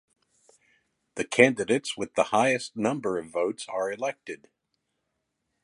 The candidates with the highest number of votes are elected.